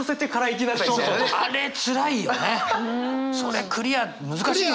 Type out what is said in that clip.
それクリア難しいのよ。